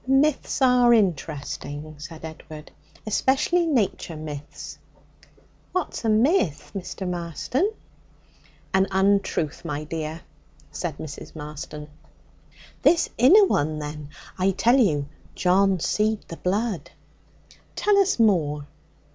'Myths are interesting,' said Edward, 'especially nature myths.' 'What's a myth, Mr. Marston?' 'An untruth, my dear,' said Mrs. Marston. 'This inna one, then! I tell you John seed the blood!' 'Tell us more.'